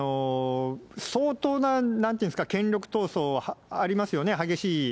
相当な、なんていうんですか、権力闘争ありますよね、激しい。